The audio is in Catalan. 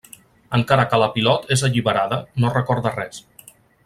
Encara que la pilot és alliberada, no recorda res.